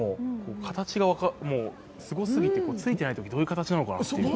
形がすごすぎて、ついてないときどういう形なのかなと。